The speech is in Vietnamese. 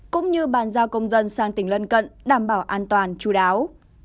cũng như bàn giao công dân sang tỉnh lân cận đảm bảo an toàn chú đáo